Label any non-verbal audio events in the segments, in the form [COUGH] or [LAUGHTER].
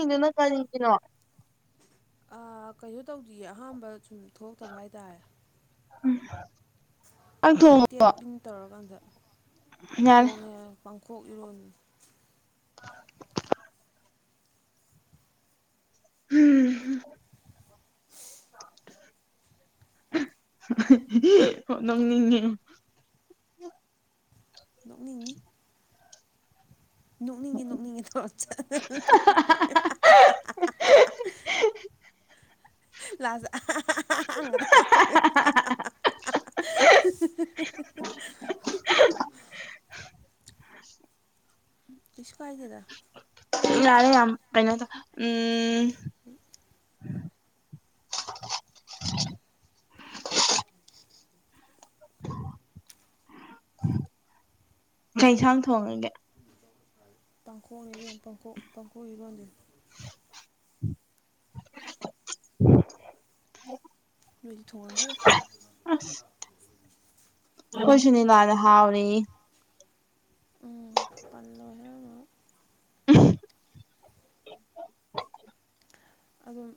ꯏꯅ ꯀꯔꯤꯅꯣ ꯀꯩꯅꯣ ꯇꯧꯗꯌꯦ ꯑꯍꯝꯕ ꯁꯨꯝ ꯊꯣꯛꯇꯕ ꯍꯥꯏꯇꯥꯔꯦ ꯎꯝ ꯇꯦꯞ ꯑꯗꯨꯝ ꯇꯧꯔꯀꯥꯟꯗ ꯌꯥꯔꯦ ꯇꯣꯡꯉꯦ ꯄꯥꯡꯊꯣꯛ ꯏꯔꯨ ꯎꯝ ꯍꯗꯅꯤꯉ ꯅꯣꯛꯅꯤꯡꯉꯤ ꯅꯣꯛꯅꯤꯡ ꯅꯅꯤꯡ ꯊꯔ ꯆ ꯂꯖ ꯇꯁꯀꯥꯏꯗꯗ ꯌꯥꯔꯦ ꯌꯥꯝ ꯑꯩꯅ ꯎꯝ ꯎꯝ ꯀꯩꯁꯥꯡ ꯊꯣꯡꯉꯒꯦ ꯄꯥꯡꯈꯣꯛꯉꯤꯕ ꯄꯈꯣꯛ ꯄꯥꯡꯈꯣꯛꯕꯣꯟꯁꯦ ꯎꯝ ꯃꯗꯤ ꯊꯣꯡꯉ ꯐꯔ ꯈꯁꯤꯅꯤ ꯂꯥꯟ ꯍꯥꯎꯅꯤ ꯎꯝ ꯄꯟ ꯍꯥꯏꯔ ꯑꯗꯨꯝ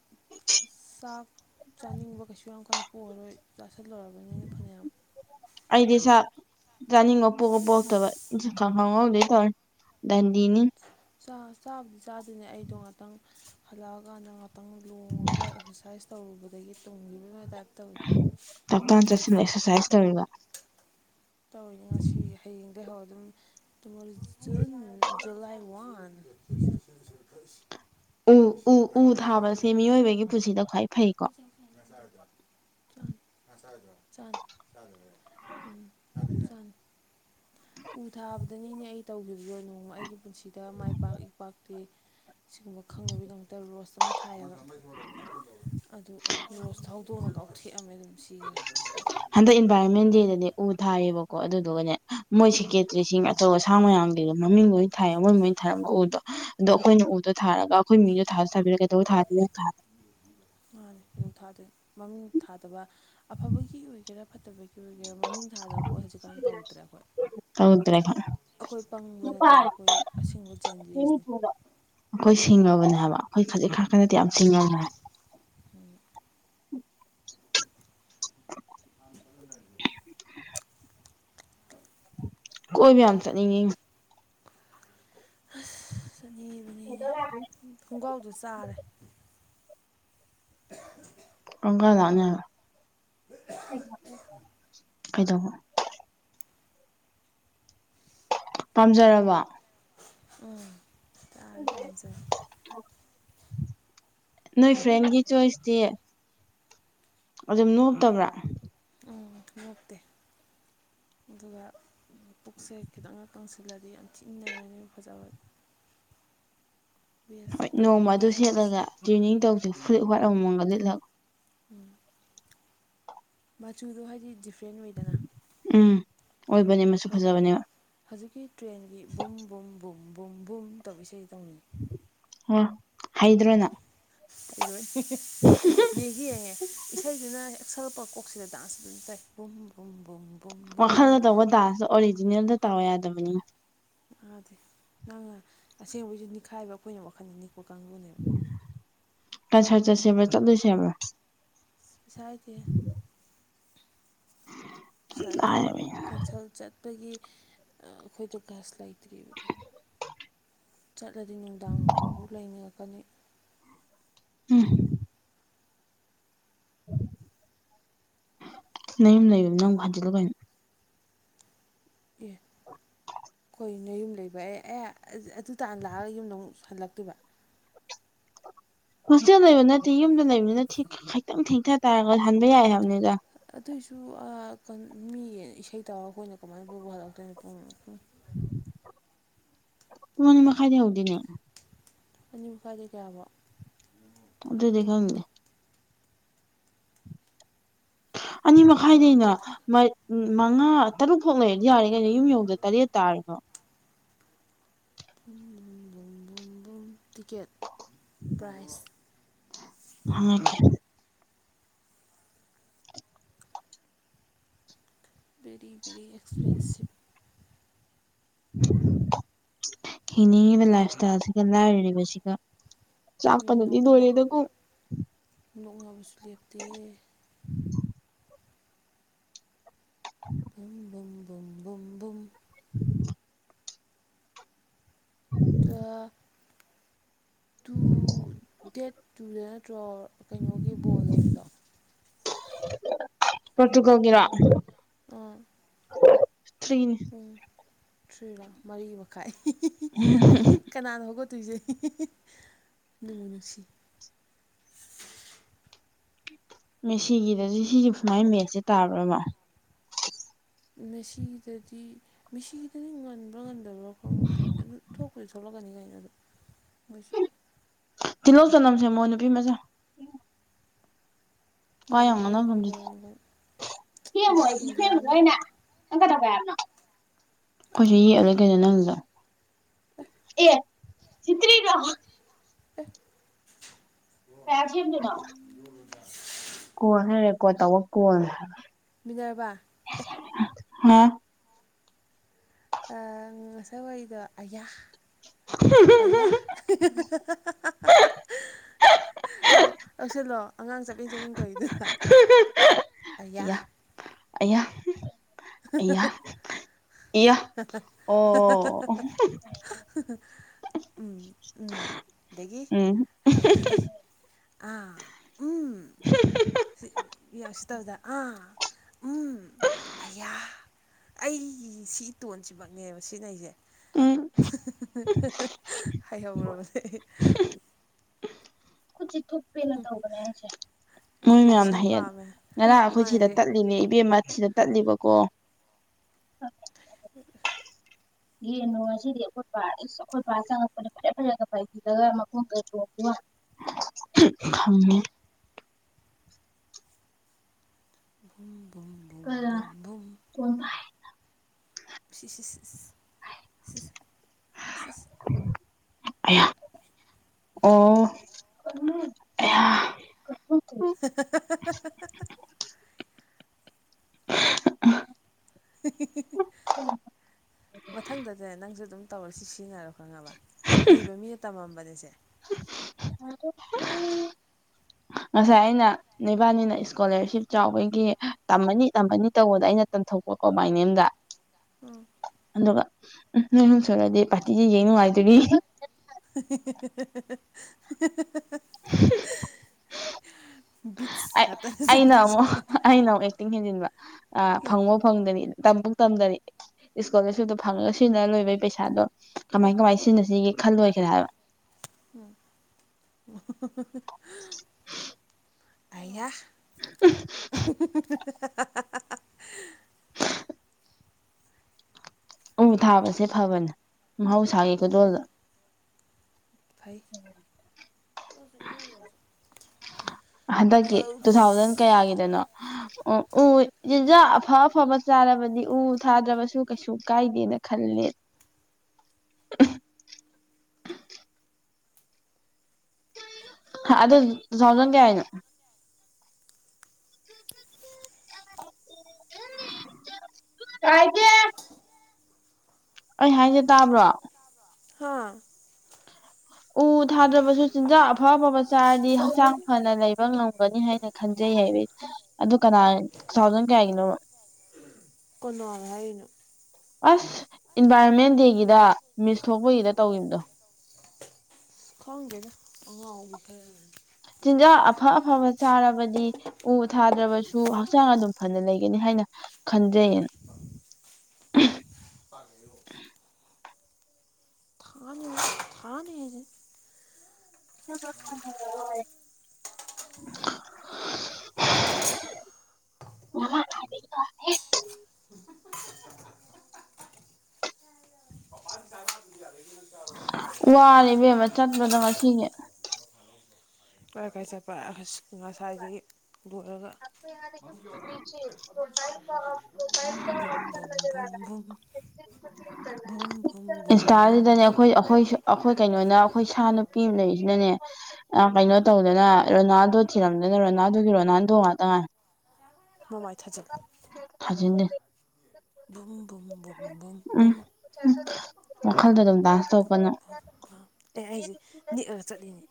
ꯆꯥꯛ ꯆꯥꯅꯤꯡꯕ ꯀꯩꯁꯨ ꯌꯥꯝ ꯀꯟꯅ ꯄꯣꯛꯔꯣꯏ ꯁꯠꯂꯨꯔꯕꯅꯤꯅ ꯐꯅꯌꯥꯝ ꯑꯩꯗꯤꯁ ꯆꯥꯅꯤꯡꯉꯣ ꯄꯣꯛ ꯄꯣꯛꯇꯕ ꯈ ꯈꯪꯍꯧꯗꯣꯏ ꯇꯧꯔ ꯗꯟꯗꯤꯅꯤ ꯆꯥꯕꯨꯗꯤ ꯆꯥꯗꯣꯏꯅꯦ ꯑꯩꯗꯣ ꯉꯥꯛꯇꯪ ꯍꯜꯂꯛꯑꯀꯥꯟꯗ ꯉꯥꯛꯇꯪ ꯂꯣꯡꯉꯒ ꯑꯦꯛꯁꯔꯁꯥꯏꯁ ꯇꯧꯔꯨꯕꯗꯒꯤ ꯇꯨꯡꯈꯤꯕ ꯑꯃ ꯇꯥꯏꯞ ꯇꯧꯏꯤ ꯇꯞꯇꯥꯥꯅ ꯆꯠꯁꯤꯜꯂ ꯑꯦꯛꯁꯔꯁꯥꯏꯁ ꯇꯧꯔꯤꯕ ꯇꯧꯤꯅꯦ ꯉꯁꯤ ꯍꯌꯦꯡꯗꯒꯤꯩ ꯍꯧꯔ ꯑꯗꯨꯝꯃꯣ ꯖꯨꯟ ꯖꯨꯂꯥꯏ ꯋꯥꯟ ꯦ ꯎ ꯎ ꯎ ꯊꯥꯕꯁꯦ ꯃꯤꯑꯣꯏꯕꯒꯤ ꯄꯨꯟꯁꯤꯗ ꯈ꯭ꯋꯥꯏ ꯐꯩꯀꯣ ꯆ ꯆ ꯆ ꯎꯝ ꯊꯪ ꯎ ꯊꯥꯕꯗꯅꯤꯅꯦ ꯑꯩ ꯇꯧꯈꯤꯕꯔꯣ ꯅꯣꯡꯃ ꯑꯩꯒꯤ ꯄꯨꯟꯁꯤꯗ ꯃꯥꯏ ꯄꯥꯛ ꯏ ꯄꯥꯛꯇꯦ ꯁꯤꯒꯨꯝꯕ ꯈꯪꯅꯕꯒꯤꯗꯃꯛꯇ ꯔꯣꯁ ꯑꯃ ꯊꯥꯏꯑꯒ ꯑꯗꯨ ꯔꯣꯁ ꯊꯥꯎꯗꯣꯡꯅ ꯀꯥꯎꯊꯦꯛꯑꯝꯃꯦ ꯑꯗꯨꯝ ꯁꯤꯁꯦ ꯍꯟꯗꯛ ꯏꯟꯚꯥꯏꯔꯣꯟꯃꯦꯟ ꯗꯦꯗꯗꯤ ꯎ ꯊꯥꯏꯌꯦꯕꯀꯣ ꯑꯗꯨꯗꯨꯒꯅꯦ ꯃꯣꯏ ꯀꯦꯠꯔꯤꯁꯤꯡ ꯑꯆꯧ ꯑꯁꯥꯡ ꯃꯌꯥꯝ ꯂꯩꯕꯣ ꯃꯃꯤꯡ ꯂꯣꯏ ꯊꯥꯏ ꯃꯣꯏ ꯃꯣꯏꯅ ꯊꯥꯔꯝꯕ ꯎꯗꯣ ꯑꯗꯣ ꯑꯩꯈꯣꯏꯅ ꯎꯗꯣ ꯊꯥꯔꯒ ꯑꯩꯈꯣꯏ ꯃꯤꯁꯨꯣ ꯊꯥꯁꯨ ꯊꯥꯕꯤꯔꯒꯦ ꯇꯧꯕ ꯊꯥꯗ ꯊꯥ ꯃꯥꯅꯦ ꯀꯩꯗꯧ ꯊꯥꯗꯣꯏꯅꯣ ꯃꯃꯤꯡ ꯊꯥꯗꯕ ꯑꯐꯕꯒꯤ ꯑꯣꯏꯒꯦꯔꯥ ꯐꯠꯇꯕꯒꯤ ꯑꯣꯏꯒ ꯃꯃꯤꯡ ꯊꯥꯗꯕ ꯄꯣꯠ ꯍꯧꯖꯤꯛꯀꯥꯟ ꯇꯧꯗ꯭ꯔꯦ ꯑꯩꯈꯣꯏ ꯇꯧꯗ꯭ꯔꯦ ꯑꯩꯈꯣꯏ ꯄꯪꯕ ꯅꯠꯇꯦ ꯑꯩꯈꯣꯏ ꯑꯁꯦꯡꯕ ꯆꯦꯟꯗꯔꯤꯁꯤꯅꯤ ꯊꯤꯡꯉꯕꯅꯦ ꯍꯥꯏꯕ ꯑꯩꯈꯣꯏ ꯈꯖꯤꯛ ꯈꯔ ꯈꯗꯗꯤ ꯌꯥꯝ ꯊꯁꯤꯡꯉꯈ꯭ꯔꯦ ꯎꯝ ꯀꯣꯏ ꯃꯌꯥꯝ ꯆꯠꯅꯤꯡꯉꯤ ꯑꯁ ꯆꯅꯤꯕꯅꯤꯅꯦ ꯈꯣꯡꯒ꯭ꯔꯥꯎꯗꯨ ꯆꯥꯔꯦ ꯑꯣꯒꯥ ꯇꯅꯦ ꯀꯩꯗꯧꯕ ꯄꯥꯝꯖꯔꯕ ꯎ ꯆꯔ ꯄꯥꯖ ꯅꯣꯏ ꯐ꯭ꯔꯦꯟꯒꯤ ꯆꯣꯏꯁꯇꯤ ꯑꯗꯨꯝ ꯅꯣꯞꯇꯕ꯭ꯔꯥ ꯑꯣ ꯂꯣꯛꯇꯦ [UNINTELLIGIBLE] ꯑꯗꯨꯒ ꯄꯨꯛꯁꯦ ꯈꯤꯇꯪꯅ ꯀꯪꯁꯤꯜꯂꯗꯤ ꯌꯥꯝ ꯊꯤꯅꯩꯔꯅꯤ ꯐꯖꯕ ꯋꯦꯁ ꯍꯣꯏ ꯈꯤꯇꯪ ꯅꯣꯡꯃ ꯑꯗꯨ ꯄꯤꯛꯑꯒ ꯁꯦꯠꯂꯒ ꯇ꯭ꯔꯤꯅꯤꯡ ꯇꯧꯁꯨ ꯐ꯭ꯂꯤꯞ ꯋꯥꯔꯠ ꯑꯃꯃꯝꯒ ꯂꯤꯠꯂꯑꯣ ꯎꯝ ꯃꯆꯨꯗꯣ ꯍꯥꯏꯗꯤ ꯗꯤꯐ꯭ꯔꯦꯟ ꯑꯣꯏꯗꯅ ꯎꯝ ꯑꯣꯏꯕꯅꯦ ꯃꯁꯨ ꯐꯖꯕꯅꯦꯕ ꯍꯧꯖꯤꯛꯀꯤ ꯇ꯭ꯔꯦꯟꯒꯤ ꯚꯨꯝ ꯚꯨꯝ ꯚꯨꯝ ꯚꯨꯝ ꯚꯨꯝ ꯇꯧ ꯏꯁꯩ ꯇꯧꯅꯤ ꯑ ꯍꯩꯗ꯭ꯔꯣꯅ ꯑꯩꯔꯣꯏ ꯌꯦꯡꯁꯤꯌꯦꯍꯦ ꯏꯁꯩꯁꯤꯅ ꯁꯛꯂꯛꯄ ꯀꯣꯛꯁꯤꯗ ꯗꯥꯟꯁ ꯑꯗꯨꯝ ꯆꯥꯏ ꯕꯨꯝꯨꯝ ꯋꯥꯈꯜꯗ ꯇꯧꯕ ꯗꯥꯟꯁꯇ ꯑꯣꯔꯤꯖꯤꯅꯦꯜꯗ ꯇꯥ ꯌꯥꯗꯕꯅꯤꯅ ꯑꯗ ꯅꯪ ꯑꯁꯦꯡꯕꯩꯁꯨ ꯅꯤꯡꯅꯤꯈꯥꯏꯕ ꯑꯩꯈꯣꯏꯅ ꯋꯥꯈꯜꯗꯅꯤꯀꯣ ꯀꯥꯡ ꯇꯁꯔ ꯆꯠꯁꯕ꯭ꯔ ꯆꯠꯂꯣꯏꯁꯦ ꯍꯥꯏꯕ꯭ꯔ ꯄꯁꯥꯏꯗ ꯁꯥꯏꯗꯦ ꯂꯥꯏꯔꯕꯅꯤꯅ ꯀꯟꯁꯜ ꯆꯠꯄꯒꯤ ꯑꯩꯈꯣꯏꯗ ꯒꯥꯁ ꯂꯩꯇꯦ [UNINTELLIGIBLE] ꯆꯠꯂꯗꯤ ꯅꯨꯡꯗꯥꯡ ꯐꯥꯎꯕ ꯂꯩꯅꯤꯡꯔꯛꯀꯅꯤ ꯎꯝ ꯅꯨꯝ ꯂꯩꯕ ꯅꯪꯕꯨ ꯍꯟꯖꯤꯜꯂꯨ ꯀꯅ ꯑꯦ ꯅ ꯌꯨꯝ ꯂꯩꯕ ꯑꯦ ꯑꯦ ꯑꯗꯨ ꯇꯥꯅ ꯂꯥꯛꯑꯒ ꯌꯨꯝꯗ ꯑꯃꯨꯛ ꯍꯜꯂꯛꯇꯣꯏꯕ ꯍꯣꯁꯇꯦꯜ ꯂꯩꯕ ꯅꯠꯇꯦ ꯌꯨꯝꯗ ꯂꯩꯕ ꯅꯠꯇꯦ ꯈꯤꯇꯪ ꯊꯦꯡꯊ ꯇꯥꯔꯒ ꯍꯟꯕ ꯌꯥꯏ ꯍꯥꯏꯕꯅꯤꯗ ꯑꯇꯩꯁꯨ ꯃꯤ ꯏꯁꯩ ꯇꯥꯔꯒ ꯑꯩꯈꯣꯏꯅ ꯀꯃꯥꯏꯅ ꯄꯨꯕ ꯍꯜꯂꯛꯇꯣꯏꯅꯣꯨꯡ ꯀꯅ ꯃꯈ ꯈꯥꯏꯗꯤ ꯍꯧꯗꯤꯅꯦ ꯑꯅꯤ ꯃꯈꯥꯏꯗꯤ ꯀꯌꯥꯕꯣ ꯑꯣ ꯇ ꯗ ꯃꯤꯦ ꯑꯅꯤ ꯃꯈꯥꯏꯗꯩꯅ ꯇꯔꯥꯃꯥꯊꯣꯏ ꯎꯝ ꯃꯉꯥ ꯇꯔꯨꯛ ꯐꯥꯎ ꯂꯩꯔꯗꯤ ꯌꯥꯔꯦ ꯀꯩꯅꯣ ꯌꯨꯝ ꯌꯧꯗ ꯇꯔꯦꯠ ꯇꯥꯔꯦꯀꯣ ꯇꯤꯀꯦꯠ ꯄ꯭ꯔꯥꯏꯖ ꯍ ꯕꯦꯔꯤ ꯕꯦꯔꯤ ꯑꯦꯛꯁꯄꯦꯟꯁꯤꯞ ꯍꯤꯡꯅꯤꯡꯉꯤꯕ ꯂꯥꯏꯞ ꯏꯁꯇꯥꯏꯜꯁꯤꯒ ꯂꯥꯏꯔꯔꯤꯕꯁꯤꯒ ꯃꯤ ꯆꯥꯄꯅꯗꯤ ꯅꯣꯛꯅꯒꯅꯤ ꯂꯣꯔꯦꯗꯣ ꯅꯣꯛꯅꯕꯁꯨ ꯂꯦꯞꯇꯦ ꯨꯝ [UNINTELLIGIBLE] ꯇ ꯇꯨ ꯗꯦꯠ ꯇꯨꯗ ꯅꯠꯇ꯭ꯔꯣ ꯀꯩꯅꯣꯒꯤ ꯕꯣꯜ ꯂꯩꯕꯗꯣ ꯄꯨꯠꯇꯀꯒꯔꯣ ꯎꯝ ꯊ꯭ꯔꯤꯅꯤ ꯊꯔꯤꯔꯥ ꯃꯔꯤ ꯃꯈꯥꯏ ꯎ ꯇꯨꯏꯖꯩ ꯅꯣꯡꯃꯣ ꯅꯨꯡꯁꯤ ꯃ ꯁꯤꯒꯤꯗ ꯁꯤꯒꯤ ꯁꯨꯃꯥꯏ ꯃꯦꯠꯁꯦ ꯇꯥꯕ꯭ꯔꯕ ꯃꯦꯁꯤꯗꯗꯤ ꯃꯦꯁꯤꯒꯤꯗꯗꯤ ꯉꯟꯕ꯭ꯔꯥ ꯉꯟꯗꯕ꯭ꯔꯥ ꯈꯪꯗꯗꯤ ꯑꯗꯨ ꯊꯣꯛ ꯑꯩꯈꯣꯏꯁꯨ ꯊꯣꯛꯂꯛꯀꯅꯤ ꯀꯩꯅꯣ ꯑꯗꯣ ꯑꯩꯩꯁꯨ ꯇꯤꯂꯧ ꯆꯅꯝꯁꯦ ꯃꯣ ꯅꯨꯄꯤ ꯃꯆꯥ ꯀ ꯇꯥꯔꯝꯒꯅꯤ ꯀꯩꯅꯣ ꯂꯩꯔꯝꯒꯅꯤ ꯍꯟꯗꯛ ꯑꯩꯈꯣꯏꯁꯨ ꯏꯟꯗꯤꯌꯥꯅ ꯌꯦꯛꯑꯂ ꯀꯩꯅꯣ ꯅꯪꯗ ꯑꯦ ꯁꯤꯇꯔꯤ ꯂ ꯑ ꯐꯁꯅꯤꯅꯥ ꯀꯍ ꯍꯥꯏꯔꯦ ꯀꯣ ꯇꯧꯕ ꯀꯟ ꯍꯥꯏ ꯃꯤꯅꯔꯕ ꯑꯦ ꯍꯥꯥ ꯉꯁ ꯍꯣꯏꯗꯣ ꯑꯌꯥ ꯑꯌꯥ [UNINTELLIGIBLE] ꯇꯧꯁꯤꯜꯂꯣ ꯑꯉꯥꯡ ꯆꯠꯃꯤꯡ ꯆꯠꯃꯤꯟ ꯇꯧꯏꯤꯗꯨꯗ ꯑꯦꯌꯥ ꯑꯌꯥ ꯏꯌꯥ ꯏꯌꯥ ꯑꯣ ꯎꯝ ꯎꯝ ꯑꯗꯒꯤ ꯎꯝ ꯑꯗꯒꯤ ꯑꯥ ꯎꯝ ꯑꯁꯗꯥꯎꯗ ꯑ ꯍ ꯑꯩꯒꯤ ꯁꯤ ꯇꯣꯟꯁꯤꯃꯛꯅꯦꯕ ꯁꯤꯅꯩꯁꯦ ꯎꯝ ꯍꯥꯏꯍꯧꯔꯕꯁꯦ ꯊꯨꯞꯄꯤꯅ ꯇꯧꯕꯅꯦ ꯍꯥꯏꯁꯦ ꯃꯣꯏ ꯃꯌꯥꯝꯅ ꯔꯤꯌꯦꯛꯁꯟ ꯍꯌꯦꯜꯂꯤ ꯄꯥꯝꯃꯦ ꯉꯔꯥꯡ ꯑꯩꯈꯣꯏ ꯃꯥꯏ ꯁꯤꯗ ꯇꯠꯂꯤꯅꯦ ꯏꯕꯦꯝꯃ ꯁꯤꯗ ꯆꯠꯂꯤꯕꯀꯣ ꯌꯦꯡꯟꯅꯨ ꯉꯁꯤꯗꯤ ꯑꯩꯈꯣꯏꯄ ꯑꯁ ꯑꯩꯈꯣꯏꯄ ꯆꯪꯉꯛꯄꯗ ꯐꯔꯦ ꯐꯔꯦꯒ ꯄꯥꯏꯁꯤꯜꯂꯒ ꯃꯈꯣꯡꯗ ꯆꯣꯡꯕꯒ ꯈꯝꯅꯤ ꯍꯝ ꯀ ꯀꯣꯟ ꯁꯤ ꯁꯤ ꯁꯤ ꯁꯤ ꯑ ꯑꯣ ꯑꯌꯥ [UNINTELLIGIBLE] ꯃꯊꯪꯗꯅꯦ ꯅꯪꯁꯨ ꯑꯗꯨꯝ ꯇꯧꯔ ꯁꯤ ꯁꯤꯖꯤꯟꯅꯔꯣ ꯈꯪꯉꯕ ꯑꯍꯩꯕ ꯃꯤꯅ ꯇꯝꯃꯝꯕꯅꯤꯁꯦ [UNINTELLIGIBLE] ꯉꯁꯥꯏ ꯑꯩꯅ ꯅꯕꯥꯅꯤꯅ ꯏꯁꯀꯣꯂꯥꯔꯁꯤꯞ ꯆꯥꯎꯕꯒꯤ ꯇꯝꯃꯅꯤ ꯇꯝꯃꯅꯤ ꯇꯧꯕꯗ ꯑꯩꯅ ꯇꯝꯊꯣꯛꯄ ꯄꯣ ꯃꯥꯏꯅꯦꯗ ꯎꯝ ꯑꯗꯨꯒ ꯎꯝ ꯁꯣꯏꯨꯔꯗꯤ ꯄꯥꯔꯇꯤꯗꯤꯦ ꯌꯦꯡ ꯅꯨꯡꯉꯥꯏꯗꯨꯣꯏꯅꯤ [UNINTELLIGIBLE] [UNINTELLIGIBLE] ꯕꯤꯠꯁ ꯉꯥꯛꯇꯅꯦ ꯑꯩꯅ ꯑꯃꯨꯛ ꯆꯪꯗꯣꯏꯁꯦ ꯑꯩꯅ ꯑꯃꯨꯛ ꯑꯦꯛꯇꯤꯡ ꯍꯦꯟꯖꯤꯟꯕ ꯐꯪꯕꯣ ꯐꯪꯗꯅꯤꯗ ꯇꯝ ꯇꯝꯗ ꯏꯁꯀꯣꯂꯔꯁꯤꯞꯇꯣ ꯐꯪꯉꯒ ꯁꯤꯨꯅ ꯂꯣꯏꯕꯒꯤ ꯄꯩꯁꯥꯗꯣ ꯀꯃꯥꯏ ꯂꯦꯞꯄꯤꯔꯣ ꯀꯃꯥꯏꯅ ꯁꯤꯟꯅꯁꯤꯒꯦ ꯈꯜꯂꯣꯏꯁꯤꯦꯔꯥ ꯍꯥꯏꯕ ꯑꯌꯥ ꯎ ꯊꯥꯕꯁꯦ ꯐꯕꯅꯦ ꯃꯍꯧꯁꯥꯒꯤ ꯈꯨꯗꯣꯜꯗ ꯐꯩ ꯍꯟꯗꯛꯀꯤ ꯇꯨ ꯊꯥꯎꯖꯟ ꯀꯌꯥꯒꯤꯗꯅꯣ ꯎ ꯎ ꯆꯤꯟꯖꯥꯛ ꯑꯐ ꯑꯐꯕ ꯆꯥꯔꯕꯗꯤ ꯎ ꯊꯥꯗ꯭ꯔꯕꯁꯨ ꯀꯩꯁꯨ ꯀꯥꯏꯗꯦ ꯈꯜꯂꯦ ꯑꯗ ꯁꯖ ꯀꯦ ꯍꯥꯏꯅ ꯎ ꯀꯥꯏ ꯀ ꯑꯩ ꯍꯥꯏꯖꯦ ꯇꯥꯕ꯭ꯔꯣ ꯍꯥꯥ ꯎ ꯊꯥꯗ꯭ꯔꯕꯁꯨ ꯆꯤꯟꯖꯥꯛ ꯑꯐ ꯑꯐꯕ ꯆꯥꯔꯗꯤ ꯍꯛꯆꯥꯡ ꯐꯅ ꯂꯩꯕ ꯉꯝꯒꯅꯤ ꯍꯥꯏꯅ ꯈꯟꯖꯩ ꯍꯥꯏ ꯑꯗꯨ ꯀꯅꯥ ꯊꯥꯎꯖꯟ ꯀꯌꯥꯒꯤꯅꯣ ꯀꯣꯅꯥꯜ ꯍꯥꯏꯔꯤꯅꯨ ꯑꯁ ꯏꯟꯚꯥꯏꯔꯣꯟꯃꯦꯟ ꯗꯦꯒꯤꯗ ꯃꯤꯁ ꯊꯣꯛꯄꯒꯤꯗ ꯇꯧꯗꯣ ꯈꯥꯡꯒꯦꯗ ꯑꯉ ꯈꯔ ꯆꯤꯟꯖꯥꯛ ꯑꯐ ꯑꯐꯕ ꯆꯥꯔꯕꯗꯤ ꯎ ꯊꯥꯗ꯭ꯔꯕꯁꯨ ꯍꯛꯆꯥꯡ ꯑꯗꯨꯝ ꯐꯅ ꯂꯩꯒꯅꯤ ꯍꯥꯏꯅ ꯈꯟꯖꯌꯦꯟ ꯊꯥꯅꯤ ꯊꯥꯅꯤ ꯍꯥꯏꯁꯦ ꯍ ꯈ ꯋꯥꯅꯦ ꯏꯕꯦꯝꯕ ꯆꯠꯄꯗ ꯉꯁꯤꯅꯦ ꯀꯥꯏ ꯀꯥꯏ ꯆꯠꯄ ꯉꯁꯥꯏꯗꯒꯤ ꯂꯑꯒ ꯝ ꯕꯨꯝ ꯏꯟꯁꯇꯥꯁꯤꯗꯅꯦ ꯕꯨꯝ ꯑꯩꯈꯣꯏ ꯑꯩꯈꯣꯏꯁꯨ ꯑꯩꯈꯣꯏ ꯀꯩꯅꯣ ꯀꯩꯅꯣꯅ ꯑꯩꯈꯣꯏ ꯁꯥ ꯅꯨꯄꯤ ꯑꯃ ꯂꯩꯔꯤꯁꯤꯅꯅꯦ ꯀꯩꯅꯣ ꯇꯧꯗꯅ ꯔꯣꯅꯥꯜꯗꯣ ꯊꯤꯔꯝꯗꯅ ꯔꯣꯅꯥꯗꯨꯒꯤ ꯔꯣꯅꯥꯟ ꯇꯣꯉꯥꯛ ꯇꯉꯥꯏ ꯃꯃꯥꯏ ꯊꯥꯖꯛ ꯎꯟꯅ ꯕꯨꯝ ꯕꯨꯝ ꯕꯨꯝ ꯕꯨꯝ ꯎꯝ ꯕꯨꯝ ꯎ ꯋꯥꯈꯜꯗ ꯑꯗꯨꯝ ꯕꯨꯝ ꯗꯥꯟꯁ ꯇꯧꯕꯅꯣ ꯑꯦ ꯑꯩꯁꯦ ꯅꯤꯛꯑꯒ ꯆꯠꯂꯤꯅꯦ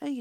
ꯑꯩꯒꯤ